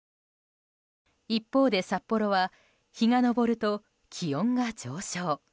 一方で、札幌は日が昇ると気温が上昇。